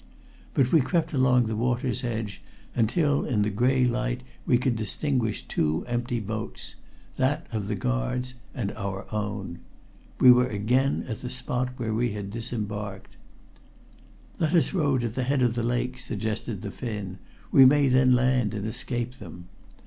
But we crept along the water's edge, until in the gray light we could distinguish two empty boats that of the guards and our own. We were again at the spot where we had disembarked. "Let us row to the head of the lake," suggested the Finn. "We may then land and escape them."